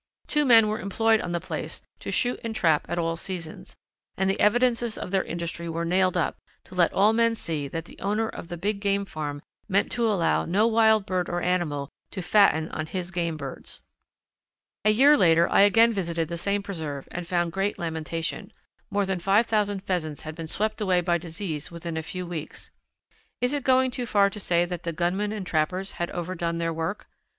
Two men were employed on the place to shoot and trap at all seasons, and the evidences of their industry were nailed up, to let all men see that the owner of the big game farm meant to allow no wild bird or animal to fatten on his game birds. A year later I again visited the same preserve and found great lamentation. More than five thousand Pheasants had been swept away by disease within a few weeks. Is it going too far to say that the gunmen and trappers had overdone their work?